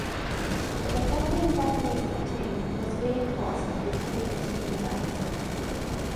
The defending Japanese platoon was reinforced with heavy machine guns.